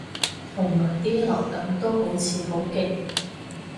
同埋啲流感都好似好勁